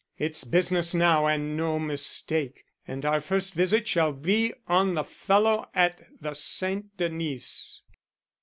It's business now and no mistake; and our first visit shall be on the fellow at the St. Denis."